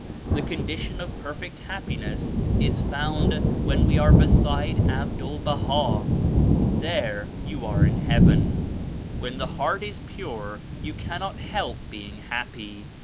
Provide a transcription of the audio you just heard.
The condi tion of perfect happiness is found when we are beside ABDUL Baha. There you are in Heaven. When the heart is pure you cannot help being happy.